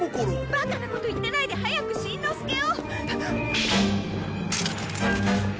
バカなこと言ってないで早くしんのすけを！